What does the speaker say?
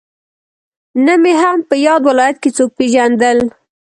نه مې هم په ياد ولايت کې څوک پېژندل.